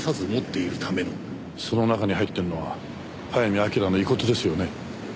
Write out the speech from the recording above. その中に入っているのは早見明の遺骨ですよね？